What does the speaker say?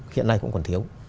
hiện nay cũng còn thiếu